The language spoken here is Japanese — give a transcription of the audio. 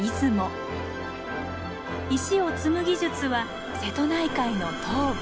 石を積む技術は瀬戸内海の東部。